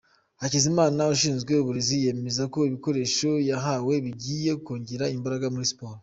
Hakizimana ushinzwe uburezi yemeza ko ibikoresho bahawe bigiye kongera imbaraga muri siporo.